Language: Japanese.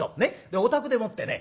お宅でもってね